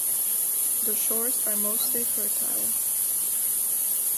The shores are mostly fertile.